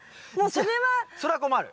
それは困る。